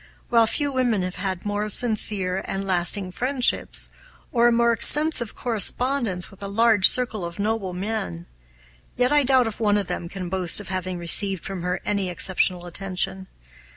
While few women have had more sincere and lasting friendships, or a more extensive correspondence with a large circle of noble men, yet I doubt if one of them can boast of having received from her any exceptional attention.